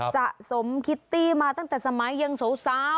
สะสมคิตตี้มาตั้งแต่สมัยยังสาว